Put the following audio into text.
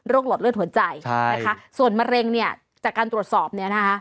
หลอดเลือดหัวใจนะคะส่วนมะเร็งเนี่ยจากการตรวจสอบเนี่ยนะคะ